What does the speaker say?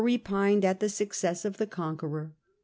repined at the success of the conqueror."